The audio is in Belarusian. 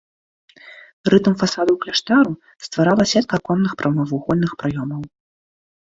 Рытм фасадаў кляштару стварала сетка аконных прамавугольных праёмаў.